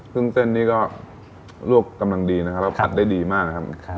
ซึ่งเส้นนี้ก็ลวกกำลังดีนะครับแล้วผัดได้ดีมากนะครับ